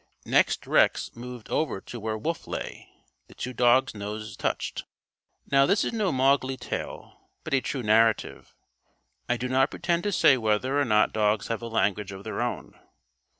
Next Rex moved over to where Wolf lay. The two dogs' noses touched. Now, this is no Mowgli tale, but a true narrative. I do not pretend to say whether or not dogs have a language of their own.